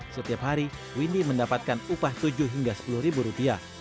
setiap hari windy mendapatkan upah tujuh hingga sepuluh ribu rupiah